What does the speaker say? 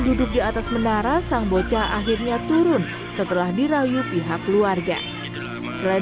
duduk di atas menara sang bocah akhirnya turun setelah dirayu pihak keluarga selain